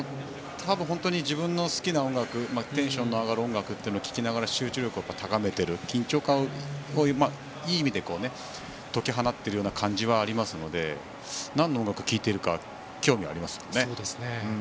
本当にテンションの上がる音楽を聴いて気持ちを高めている緊張感を、いい意味で解き放っている感じはありますので何の音楽を聴いているか興味がありますね。